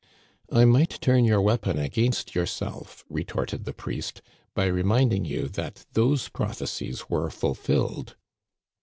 " I might turn your weapon against yourself," re torted the priest, " by reminding you that those prophe cies were fulfilled."